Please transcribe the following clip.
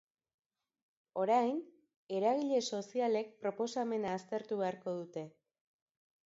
Orain, eragile sozialek proposamena aztertu beharko dute.